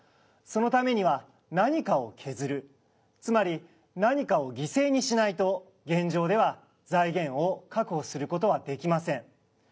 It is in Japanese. そのためには何かを削るつまり何かを犠牲にしないと現状では財源を確保する事はできません。